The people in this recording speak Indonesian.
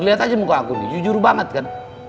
lihat aja muka aku nih jujur banget kan